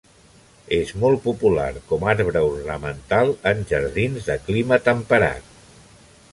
És molt popular com arbre ornamental en jardins de clima temperat.